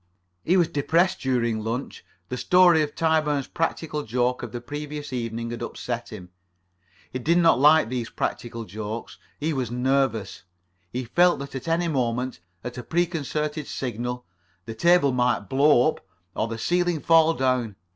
He was depressed during lunch. The story of Tyburn's practical joke of the previous evening had upset him. He did not like these practical jokes. He was nervous. He felt that at any moment, at a preconcerted signal, the table might blow up, or the ceiling fall down.